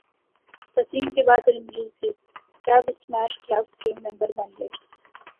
وسیم کے بعد رمیز بھی ڈب اسمیش کلب کے ممبر بن گئے